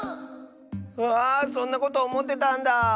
うわあそんなことおもってたんだあ。